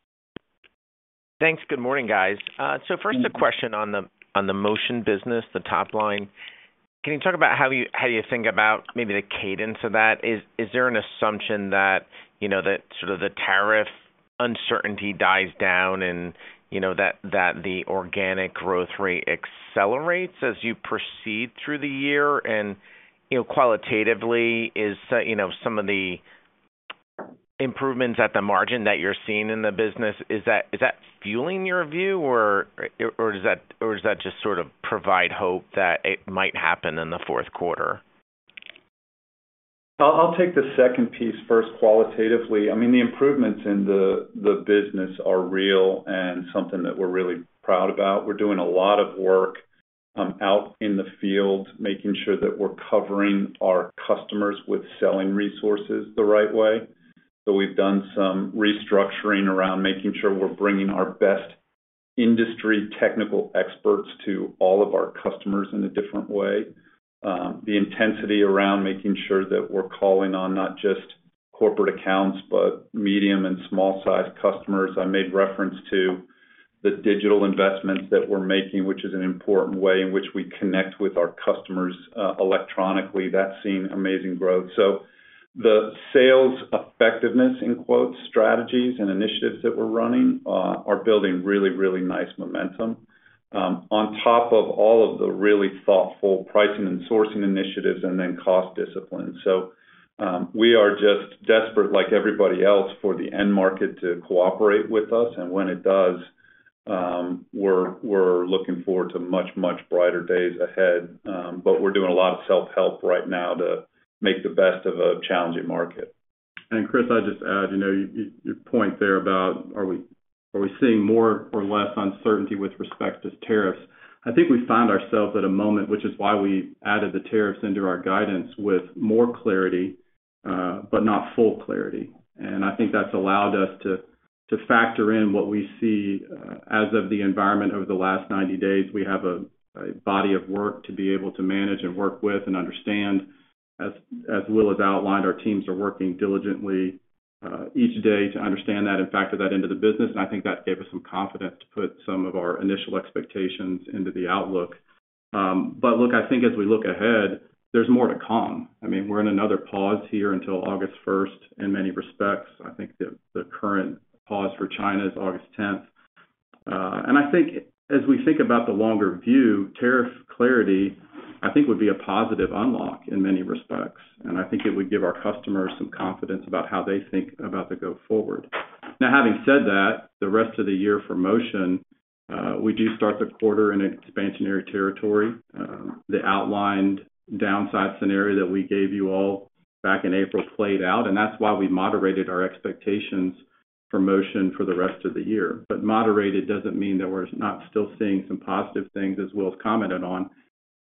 Thanks. Good morning, guys. First, a question on the Motion business, the top line. Can you talk about how you think about maybe the cadence of that? Is there an assumption that sort of the tariff uncertainty dies down and that the organic growth rate accelerates as you proceed through the year? And qualitatively, is some of the improvements at the margin that you're seeing in the business, is that fueling your view, or does that just sort of provide hope that it might happen in the fourth quarter? I'll take the second piece first qualitatively. I mean, the improvements in the business are real and something that we're really proud about. We're doing a lot of work out in the field, making sure that we're covering our customers with selling resources the right way. We've done some restructuring around making sure we're bringing our best industry technical experts to all of our customers in a different way. The intensity around making sure that we're calling on not just corporate accounts, but medium and small-sized customers. I made reference to the digital investments that we're making, which is an important way in which we connect with our customers electronically. That's seen amazing growth. The sales effectiveness, in quotes, strategies and initiatives that we're running are building really, really nice momentum. On top of all of the really thoughtful pricing and sourcing initiatives and then cost discipline. We are just desperate, like everybody else, for the end market to cooperate with us. When it does, we're looking forward to much, much brighter days ahead. We're doing a lot of self-help right now to make the best of a challenging market. Chris, I'd just add your point there about are we seeing more or less uncertainty with respect to tariffs. I think we found ourselves at a moment, which is why we added the tariffs into our guidance, with more clarity, but not full clarity. I think that's allowed us to factor in what we see as of the environment over the last 90 days. We have a body of work to be able to manage and work with and understand. As Will has outlined, our teams are working diligently each day to understand that and factor that into the business. I think that gave us some confidence to put some of our initial expectations into the outlook. Look, I think as we look ahead, there's more to come. I mean, we're in another pause here until August 1st in many respects. I think the current pause for China is August 10th. I think as we think about the longer view, tariff clarity, I think, would be a positive unlock in many respects. I think it would give our customers some confidence about how they think about the go-forward. Now, having said that, the rest of the year for Motion, we do start the quarter in expansionary territory. The outlined downside scenario that we gave you all back in April played out. That's why we moderated our expectations for Motion for the rest of the year. Moderated doesn't mean that we're not still seeing some positive things, as Will has commented on.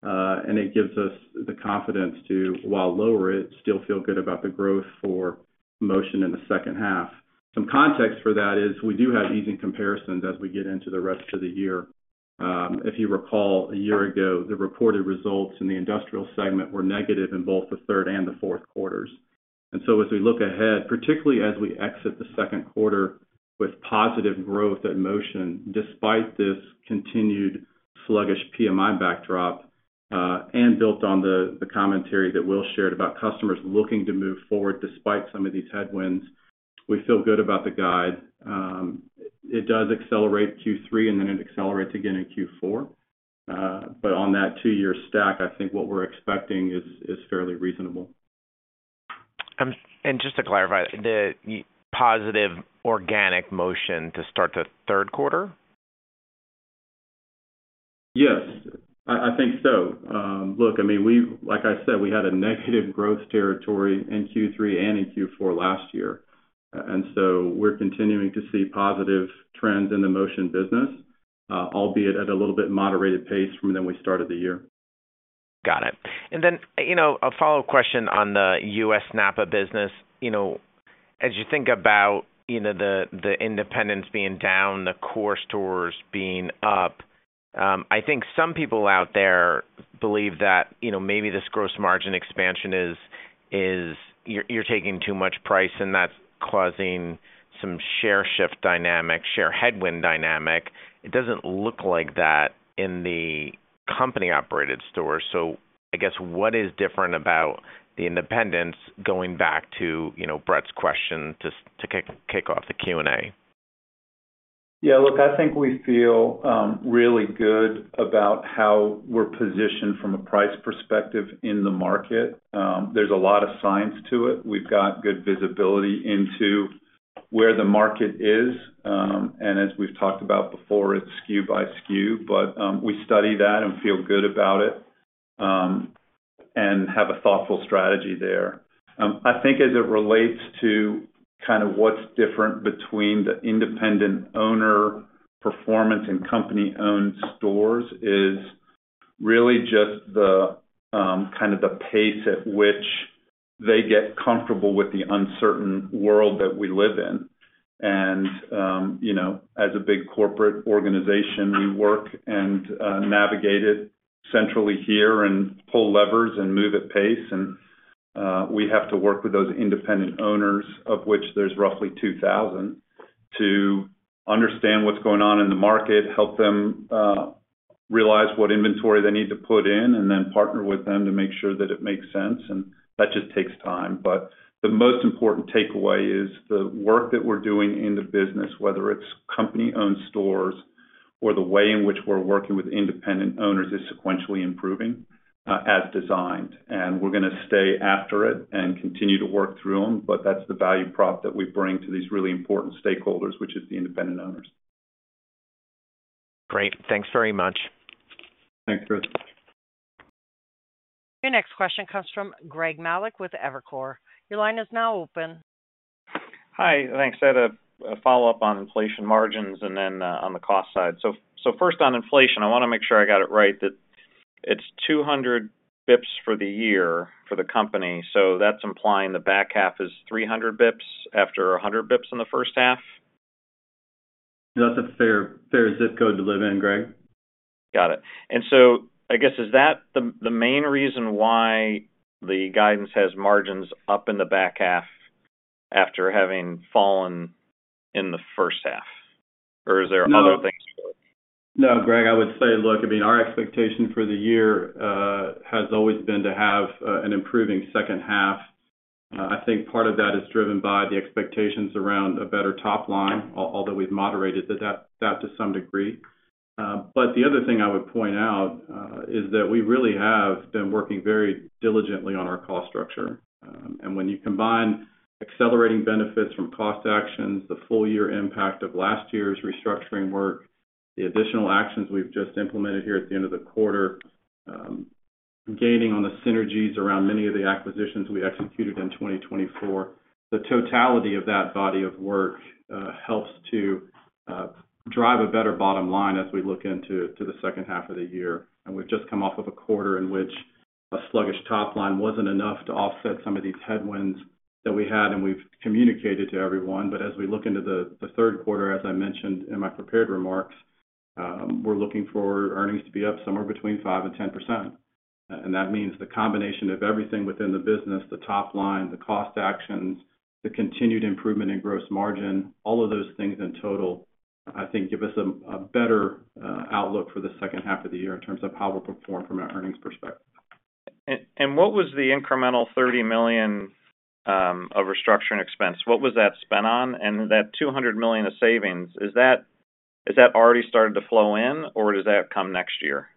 It gives us the confidence to, while lower it, still feel good about the growth for Motion in the second half. Some context for that is we do have easing comparisons as we get into the rest of the year. If you recall, a year ago, the reported results in the industrial segment were negative in both the third and the fourth quarters. As we look ahead, particularly as we exit the second quarter with positive growth at Motion, despite this continued sluggish PMI backdrop, and built on the commentary that Will shared about customers looking to move forward despite some of these headwinds, we feel good about the guide. It does accelerate Q3, and then it accelerates again in Q4. On that two-year stack, I think what we're expecting is fairly reasonable. Just to clarify, the positive organic motion to start the third quarter? Yes, I think so. Look, I mean, like I said, we had a negative growth territory in Q3 and in Q4 last year. We are continuing to see positive trends in the Motion business, albeit at a little bit moderated pace from when we started the year. Got it. A follow-up question on the US NAPA business. As you think about the independence being down, the core stores being up, I think some people out there believe that maybe this gross margin expansion is, you're taking too much price, and that's causing some share shift dynamic, share headwind dynamic. It doesn't look like that in the company-operated stores. I guess what is different about the independence, going back to Brett's question to kick off the Q&A? Yeah, look, I think we feel really good about how we're positioned from a price perspective in the market. There's a lot of science to it. We've got good visibility into where the market is. And as we've talked about before, it's SKU by SKU. But we study that and feel good about it and have a thoughtful strategy there. I think as it relates to kind of what's different between the independent owner performance and company-owned stores is really just the kind of the pace at which they get comfortable with the uncertain world that we live in. As a big corporate organization, we work and navigate it centrally here and pull levers and move at pace. We have to work with those independent owners, of which there's roughly 2,000, to understand what's going on in the market, help them realize what inventory they need to put in, and then partner with them to make sure that it makes sense. That just takes time. The most important takeaway is the work that we're doing in the business, whether it's company-owned stores or the way in which we're working with independent owners, is sequentially improving as designed. We're going to stay after it and continue to work through them. That's the value prop that we bring to these really important stakeholders, which is the independent owners. Great. Thanks very much. Thanks, Chris. Your next question comes from Greg Melich with Evercore. Your line is now open. Hi. Thanks. I had a follow-up on inflation margins and then on the cost side. First, on inflation, I want to make sure I got it right, that it's 200 basis points for the year for the company. That's implying the back half is 300 basis points after 100 basis points in the first half? That's a fair zip code to live in, Greg. Got it. I guess is that the main reason why the guidance has margins up in the back half after having fallen in the first half? Or is there other things? No, Greg, I would say, look, I mean, our expectation for the year has always been to have an improving second half. I think part of that is driven by the expectations around a better top line, although we've moderated that to some degree. The other thing I would point out is that we really have been working very diligently on our cost structure. When you combine accelerating benefits from cost actions, the full-year impact of last year's restructuring work, the additional actions we've just implemented here at the end of the quarter, gaining on the synergies around many of the acquisitions we executed in 2024, the totality of that body of work helps to drive a better bottom line as we look into the second half of the year. We've just come off of a quarter in which a sluggish top line wasn't enough to offset some of these headwinds that we had, and we've communicated to everyone. As we look into the third quarter, as I mentioned in my prepared remarks, we're looking for earnings to be up somewhere between 5-10%. That means the combination of everything within the business, the top line, the cost actions, the continued improvement in gross margin, all of those things in total, I think, give us a better outlook for the second half of the year in terms of how we'll perform from an earnings perspective. What was the incremental $30 million of restructuring expense? What was that spent on? That $200 million of savings, is that already started to flow in, or does that come next year?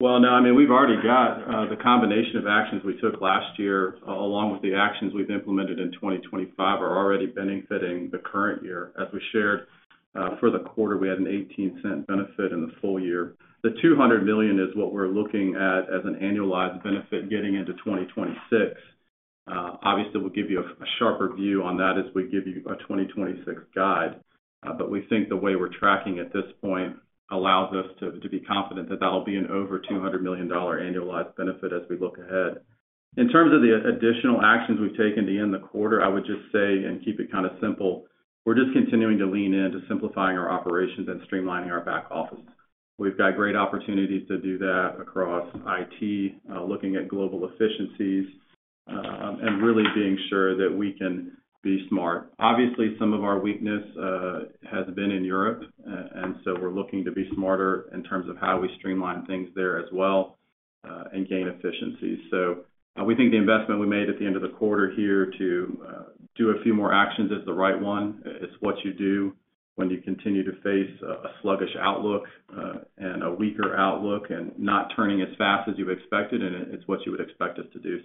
No, I mean, we've already got the combination of actions we took last year, along with the actions we've implemented in 2025, are already benefiting the current year. As we shared for the quarter, we had an $0.18 benefit in the full year. The $200 million is what we're looking at as an annualized benefit getting into 2026. Obviously, we'll give you a sharper view on that as we give you a 2026 guide. We think the way we're tracking at this point allows us to be confident that that'll be an over $200 million annualized benefit as we look ahead. In terms of the additional actions we've taken to end the quarter, I would just say, and keep it kind of simple, we're just continuing to lean into simplifying our operations and streamlining our back office. We've got great opportunities to do that across IT, looking at global efficiencies. And really being sure that we can be smart. Obviously, some of our weakness has been in Europe. We're looking to be smarter in terms of how we streamline things there as well and gain efficiencies. We think the investment we made at the end of the quarter here to do a few more actions is the right one. It's what you do when you continue to face a sluggish outlook and a weaker outlook and not turning as fast as you expected. It's what you would expect us to do.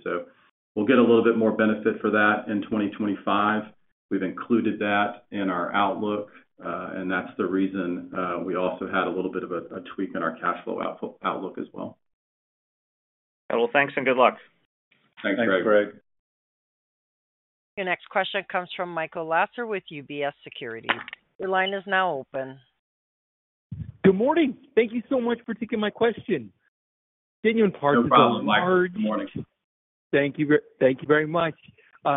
We'll get a little bit more benefit for that in 2025. We've included that in our outlook. That's the reason we also had a little bit of a tweak in our cash flow outlook as well. Thanks and good luck. Thanks, Greg. Your next question comes from Michael Lasser with UBS Securities. Your line is now open. Good morning. Thank you so much for taking my question. Genuine Parts is a large. Good morning. Thank you very much.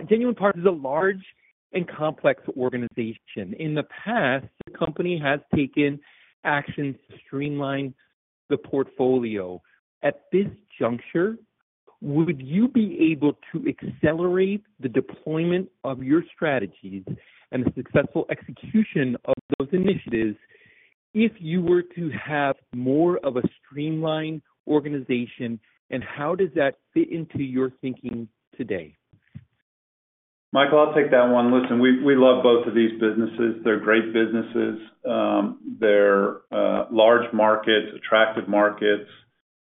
Genuine Parts is a large and complex organization. In the past, the company has taken actions to streamline the portfolio. At this juncture, would you be able to accelerate the deployment of your strategies and the successful execution of those initiatives if you were to have more of a streamlined organization? How does that fit into your thinking today? Michael, I'll take that one. Listen, we love both of these businesses. They're great businesses. They're large markets, attractive markets.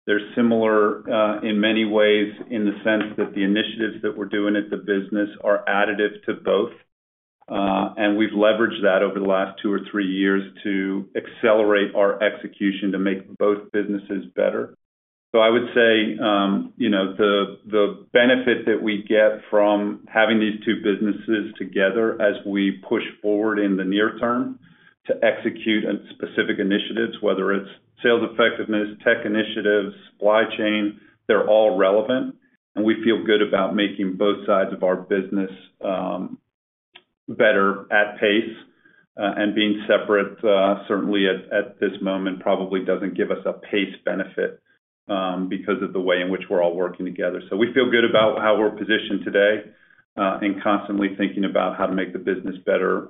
They're similar in many ways in the sense that the initiatives that we're doing at the business are additive to both. We've leveraged that over the last two or three years to accelerate our execution to make both businesses better. I would say the benefit that we get from having these two businesses together as we push forward in the near term to execute specific initiatives, whether it's sales effectiveness, tech initiatives, supply chain, they're all relevant. We feel good about making both sides of our business better at pace. Being separate, certainly at this moment, probably doesn't give us a pace benefit because of the way in which we're all working together. We feel good about how we're positioned today and constantly thinking about how to make the business better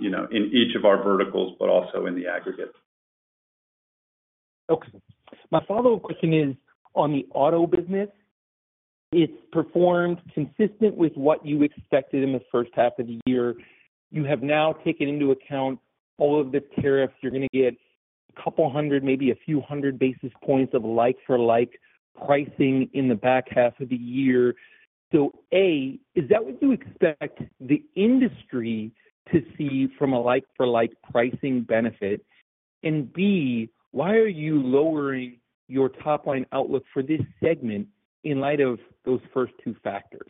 in each of our verticals, but also in the aggregate. Okay. My follow-up question is on the auto business. It's performed consistent with what you expected in the first half of the year. You have now taken into account all of the tariffs. You're going to get a couple hundred, maybe a few hundred basis points of like-for-like pricing in the back half of the year. A, is that what you expect the industry to see from a like-for-like pricing benefit? B, why are you lowering your top line outlook for this segment in light of those first two factors?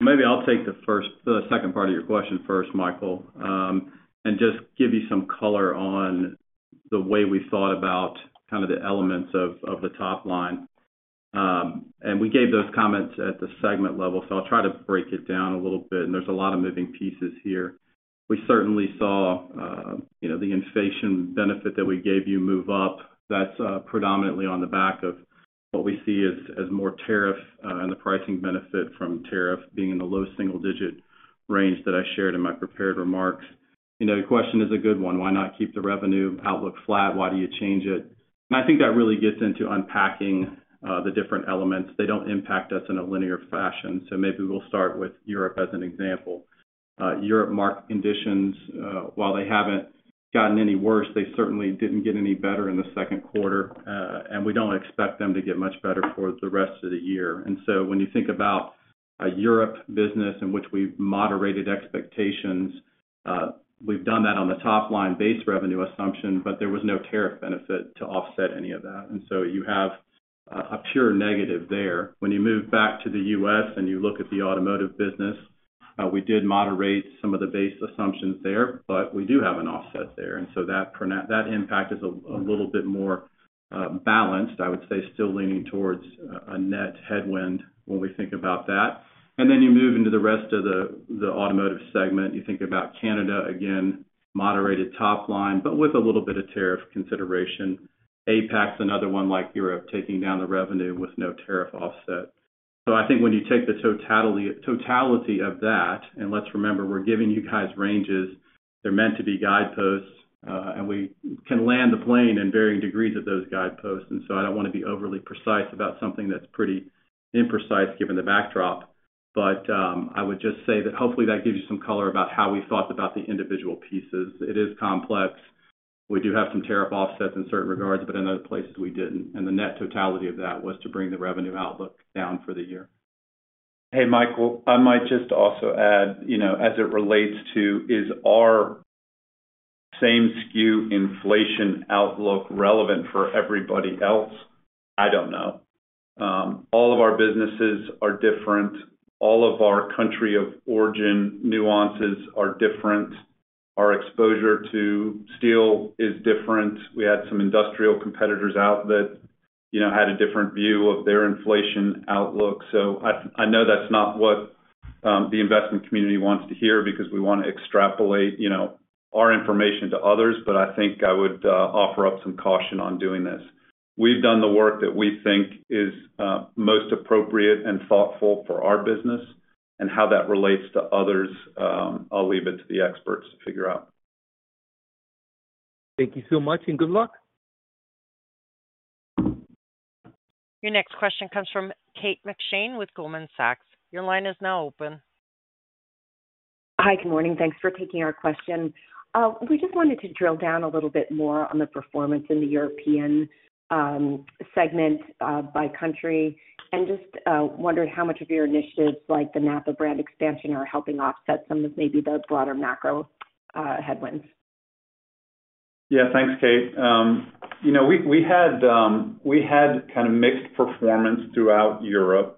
Maybe I'll take the second part of your question first, Michael. And just give you some color on the way we thought about kind of the elements of the top line. And we gave those comments at the segment level. I'll try to break it down a little bit. There's a lot of moving pieces here. We certainly saw the inflation benefit that we gave you move up. That's predominantly on the back of what we see as more tariff and the pricing benefit from tariff being in the low single-digit range that I shared in my prepared remarks. Your question is a good one. Why not keep the revenue outlook flat? Why do you change it? I think that really gets into unpacking the different elements. They don't impact us in a linear fashion. Maybe we'll start with Europe as an example. Europe market conditions, while they haven't gotten any worse, they certainly didn't get any better in the second quarter. We don't expect them to get much better for the rest of the year. When you think about a Europe business in which we've moderated expectations, we've done that on the top line base revenue assumption, but there was no tariff benefit to offset any of that. You have a pure negative there. When you move back to the U.S. and you look at the automotive business, we did moderate some of the base assumptions there, but we do have an offset there. That impact is a little bit more balanced, I would say, still leaning towards a net headwind when we think about that. Then you move into the rest of the automotive segment, you think about Canada, again, moderated top line, but with a little bit of tariff consideration. APAC, another one like Europe, taking down the revenue with no tariff offset. I think when you take the totality of that, and let's remember, we're giving you guys ranges. They're meant to be guideposts. We can land the plane in varying degrees at those guideposts. I don't want to be overly precise about something that's pretty imprecise given the backdrop. I would just say that hopefully that gives you some color about how we thought about the individual pieces. It is complex. We do have some tariff offsets in certain regards, but in other places, we didn't. The net totality of that was to bring the revenue outlook down for the year. Hey, Michael, I might just also add, as it relates to, is our same SKU inflation outlook relevant for everybody else? I don't know. All of our businesses are different. All of our country of origin nuances are different. Our exposure to steel is different. We had some industrial competitors out that had a different view of their inflation outlook. I know that's not what the investment community wants to hear because we want to extrapolate our information to others. I think I would offer up some caution on doing this. We've done the work that we think is most appropriate and thoughtful for our business. How that relates to others, I'll leave it to the experts to figure out. Thank you so much and good luck. Your next question comes from Kate McShane with Goldman Sachs. Your line is now open. Hi, good morning. Thanks for taking our question. We just wanted to drill down a little bit more on the performance in the European segment by country. And just wondered how much of your initiatives, like the NAPA brand expansion, are helping offset some of maybe the broader macro headwinds. Yeah, thanks, Kate. We had kind of mixed performance throughout Europe.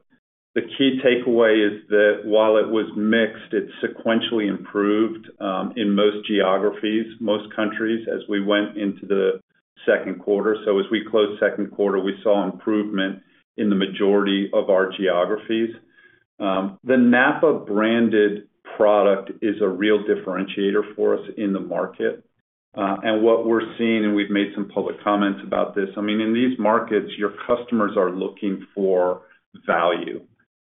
The key takeaway is that while it was mixed, it sequentially improved in most geographies, most countries, as we went into the second quarter. As we closed second quarter, we saw improvement in the majority of our geographies. The NAPA branded product is a real differentiator for us in the market. What we're seeing, and we've made some public comments about this, I mean, in these markets, your customers are looking for value.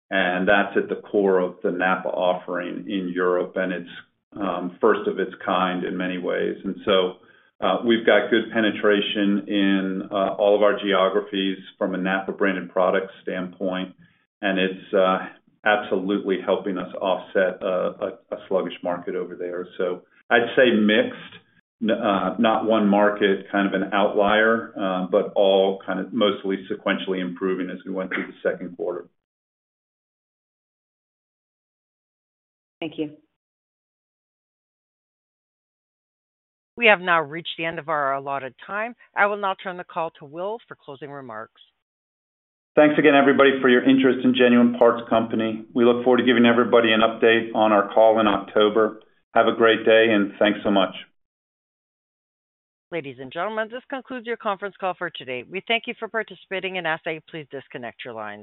That's at the core of the NAPA offering in Europe. It's first of its kind in many ways. We've got good penetration in all of our geographies from a NAPA branded product standpoint. It's absolutely helping us offset a sluggish market over there. I'd say mixed, not one market, kind of an outlier, but all kind of mostly sequentially improving as we went through the second quarter. Thank you. We have now reached the end of our allotted time. I will now turn the call to Will for closing remarks. Thanks again, everybody, for your interest in Genuine Parts Company. We look forward to giving everybody an update on our call in October. Have a great day and thanks so much. Ladies and gentlemen, this concludes your conference call for today. We thank you for participating and ask that you please disconnect your lines.